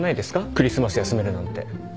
クリスマス休めるなんて。